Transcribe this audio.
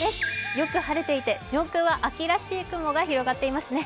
よく晴れていて上空は秋らしい雲が広がっていますね。